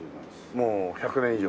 もう１００年以上？